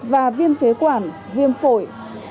và viêm phế quản viêm phổi